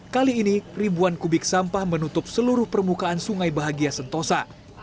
kali ini ribuan kubik sampah menutup seluruh permukaan sungai bahagia sentosa